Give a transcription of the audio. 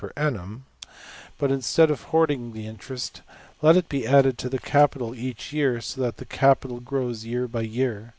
\ per~annum; but, instead of hoarding the interest, let it be added to the capital each year, so that the capital grows year by year.